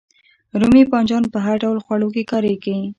رومی بانجان په هر ډول خوړو کې کاریږي